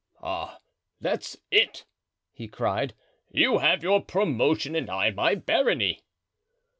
"Ah, that's it!" he cried, "you have your promotion and I my barony."